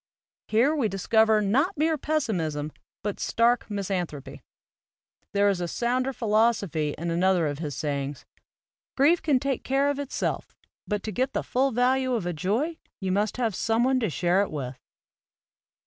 Here we discover not mere pessimism but stark mis anthropy. There is a sounder philosophy in another of his sayings: "Grief can take care of itself, but to get the full value of a joy you must have some one to share it with."